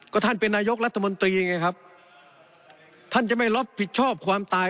ก็ท่านเป็นนายกรัฐมนตรีไงครับท่านจะไม่รับผิดชอบความตาย